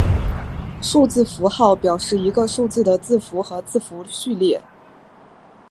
数字符号表示一个数字的字符和字符序列。